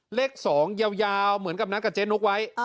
เจ๊นุกบารมีตรงอย่าวเหมือนกับนัสกับเจ๊นุกไว้